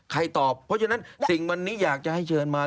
ตอบเพราะฉะนั้นสิ่งวันนี้อยากจะให้เชิญมา